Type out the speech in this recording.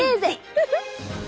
フフッ！